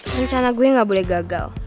rencana gue gak boleh gagal